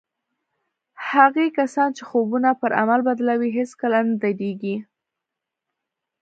هغه کسان چې خوبونه پر عمل بدلوي هېڅکله نه درېږي